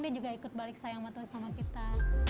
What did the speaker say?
dia juga ikut balik sayang banget sama kita